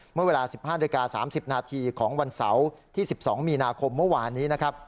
เมื่อเวลา๑๕นาฬิกา๓๐นาทีของวันเสาร์ที่๑๒มีนาคมเมื่อวานนี้นะครับ